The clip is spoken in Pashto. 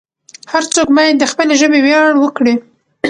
هر څوک باید د خپلې ژبې ویاړ وکړي.